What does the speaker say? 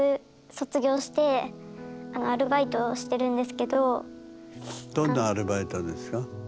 それでどんなアルバイトですか？